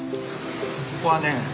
ここはね